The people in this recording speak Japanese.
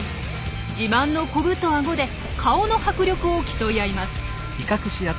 自慢のコブとアゴで顔の迫力を競い合います。